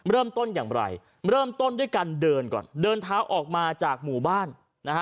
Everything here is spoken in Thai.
เริ่มต้นอย่างไรเริ่มต้นด้วยการเดินก่อนเดินเท้าออกมาจากหมู่บ้านนะฮะ